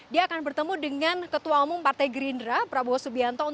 dia akan bertemu dengan ketua umum partai gerindra prabowo subianto